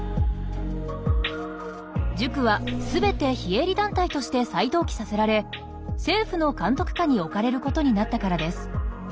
塾はすべて非営利団体として再登記させられ政府の監督下に置かれることになったからです。